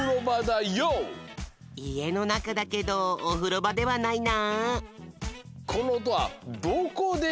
いえのなかだけどおふろばではないな。